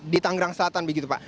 di tanggerang selatan begitu pak